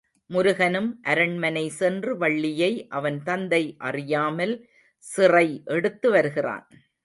முருகனும் அரண்மனை சென்று வள்ளியை அவன் தந்தை அறியாமல் சிறை எடுத்து வருகிறான்.